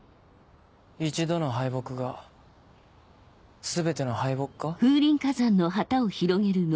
一度の敗北が全ての敗北か？